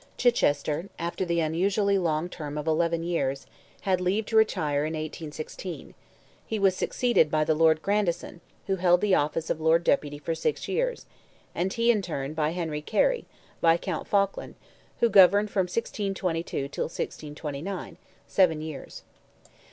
Chichester, after the unusually long term of eleven years, had leave to retire in 1616; he was succeeded by the Lord Grandison, who held the office of Lord Deputy for six years, and he, in turn, by Henry Carey, Viscount Falkland, who governed from 1622 till 1629—seven years.